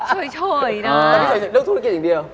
ตอนนี้เฉยเลือกธุรกิจอย่างเดียว